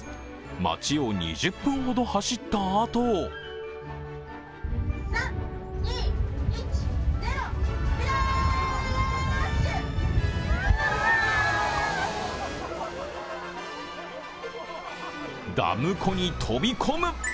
町を２０分ほど走ったあとダム湖に飛び込む！